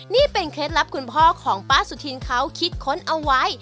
นี่เป็นเคล็ดลับคุณพ่อของป้าสุธินเขาคิดค้นเอาไว้